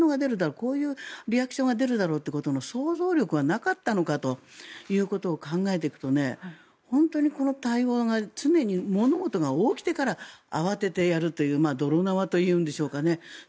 こういうリアクションが出るだろうという想像力がなかったのかということを考えていくと本当にこの対応が常に物事が起きてから慌ててやるという泥縄というんでしょうかね。